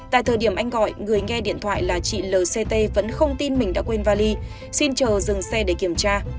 tại thời điểm anh gọi người nghe điện thoại là chị lct vẫn không tin mình đã quên vali xin chờ dừng xe để kiểm tra